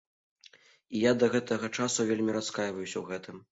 І я да гэтага часу вельмі раскайваюся ў гэтым.